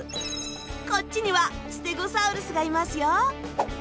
こっちにはステゴサウルスがいますよ。